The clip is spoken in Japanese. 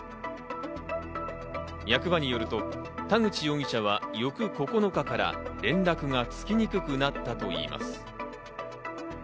役場によると田口容疑者は翌９日から連絡がつきにくくなったといいます。